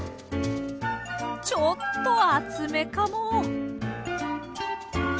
ちょっと厚めかも。